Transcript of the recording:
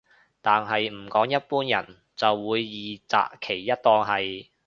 但係唔講一般人就會二擇其一當係